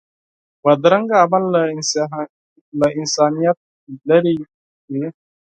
بدرنګه عمل له انسانیت لرې وي